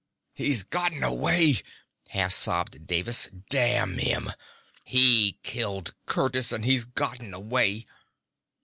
"He's gotten away," half sobbed Davis. "Damn him! He killed Curtiss, and he's gotten away!"